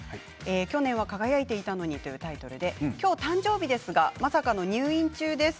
去年は輝いていたのにというタイトルで、今日誕生日ですがまさかの入院中です。